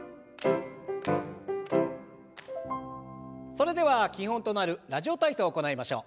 それでは基本となる「ラジオ体操」を行いましょう。